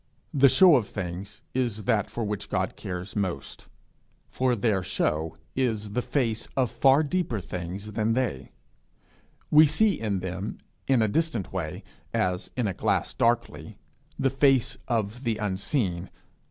The show of things is that for which God cares most, for their show is the face of far deeper things than they; we see in them, in a distant way, as in a glass darkly, the face of the unseen.